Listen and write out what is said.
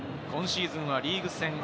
今シーズンはリーグ戦